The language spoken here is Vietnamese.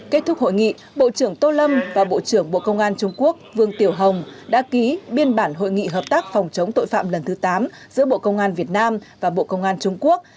kết thúc hội nghị bộ trưởng tô lâm và bộ trưởng bộ công an trung quốc vương tiểu hồng đã ký biên bản hội nghị hợp tác phòng chống tội phạm lần thứ tám giữa bộ công an việt nam và bộ công an trung quốc